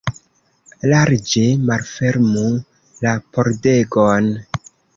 Larĝe malfermu la pordegon!